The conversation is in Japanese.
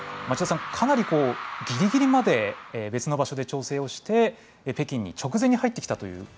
町田さん、かなりギリギリまで別の場所で調整をして、北京に直前に入ってきたという。